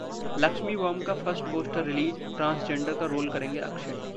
Lakshmi bomb का first poster release, transgender का role करेंगे अक्षय